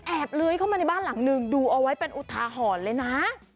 เลื้อยเข้ามาในบ้านหลังนึงดูเอาไว้เป็นอุทาหรณ์เลยนะ